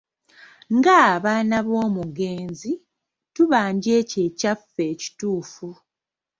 Nga abaana b'omugenzi, tubanja ekyo ekyaffe ekituufu.